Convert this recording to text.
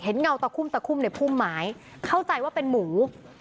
เห็นเงาตะคุ่มตะคุ่มในภูมิหมายเข้าใจว่าเป็นหมู